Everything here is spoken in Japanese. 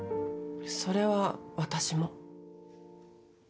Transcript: それは、私も。